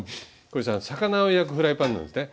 これは魚を焼くフライパンなんですね。